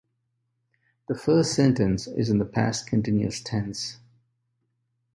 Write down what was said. The first sentence is in the past continuous tense.